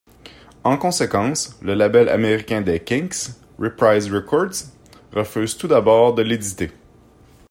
En conséquence, le label américain des Kinks, Reprise Records, refuse tout d'abord de l'éditer.